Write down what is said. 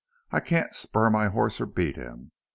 I can't spur my horse or beat him.